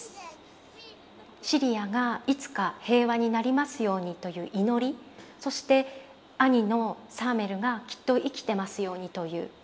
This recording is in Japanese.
シリアがいつか平和になりますようにという祈りそして兄のサーメルがきっと生きてますようにという希望。